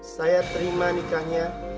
saya terima nikahnya